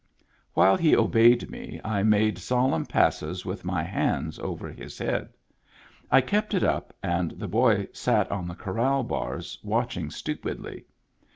While he obeyed me I made solemn passes with my hands over his head. I kept it up, and the boy sat on the corral bars, watching ^' stupidly.